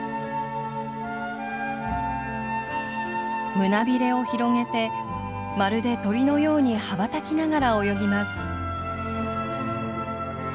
胸びれを広げてまるで鳥のように羽ばたきながら泳ぎます。